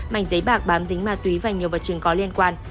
mảnh giấy bạc bám dính ma túy và nhiều vật chứng có liên quan